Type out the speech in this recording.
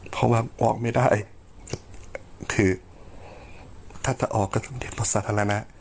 เพราะว่าออกไม่ได้คือถ้าจะออกก็ต้องเทียบบทสาธารณะ